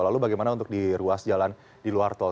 lalu bagaimana untuk di ruas jalan di luar tol